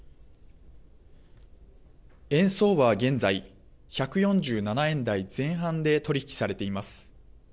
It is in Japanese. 円相場は現在、１４７円台前半で取り引きされています。